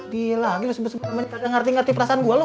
gila gila sebenernya nggak ngerti ngerti perasaan gua lu